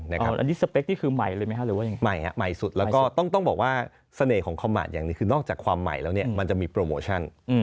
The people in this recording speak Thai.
อันนี้สเปคที่คือใหม่สุดและก็ต้องบอกว่าเสน่ห์ของคอมมาตอย่างนี้คือนอกจากความใหม่แล้วมันจะมีโปรโมชั่น